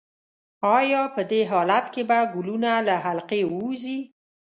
ایا په دې حالت کې به ګلوله له حلقې ووځي؟